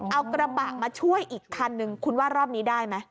เอากระบะมาช่วยอีกคันนึงคุณว่ารอบนี้ได้ไหม